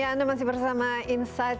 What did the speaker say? ya anda masih bersama insight